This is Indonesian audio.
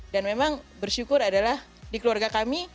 dan memang bersyukur adalah di keluarga kami